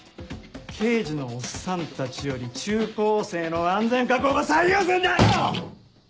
刑事のおっさんたちより中高生の安全確保が最優先だよ‼